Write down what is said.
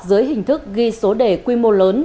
dưới hình thức ghi số đề quy mô lớn